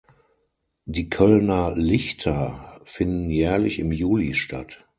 Die Kölner Lichter finden jährlich im Juli statt.